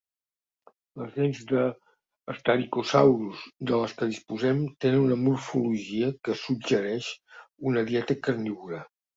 Les dents de "Staurikosaurus" de les que disposem tenen una morfologia que suggereix una dieta carnívora.